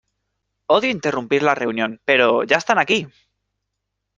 Odio interrumpir la reunión, pero... ¡ ya están aquí!